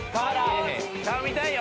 顔見たいよ